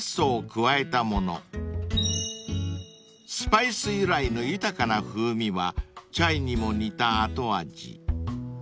［スパイス由来の豊かな風味はチャイにも似た後味］